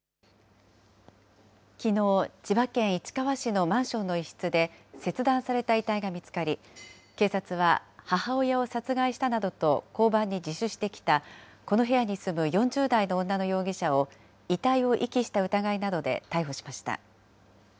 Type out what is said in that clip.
きのう、千葉県市川市のマンションの一室で、切断された遺体が見つかり、警察は母親を殺害したなどと交番に自首してきたこの部屋に住む４０代の女の容疑者を遺体を遺棄した疑いなどで逮捕しました。